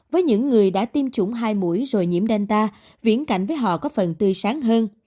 với những người đã tiêm chủng hai mũi rồi nhiễm danta viễn cảnh với họ có phần tươi sáng hơn